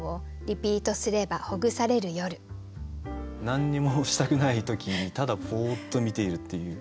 何にもしたくない時にただぼーっと見ているっていう。